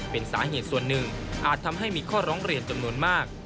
เป็นสาเหตุส่วนหนึ่งอาจทำให้มีข้อร้องเรียนจำนวนมาก